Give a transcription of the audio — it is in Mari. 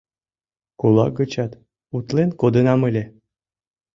Кулак гычат утлен кодынам ыле.